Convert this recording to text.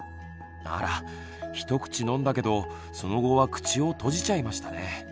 あら一口飲んだけどその後は口を閉じちゃいましたね。